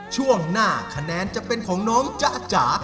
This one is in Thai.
ช่วงหน้าคะแนนจะเป็นของน้องจ๊ะจ๋า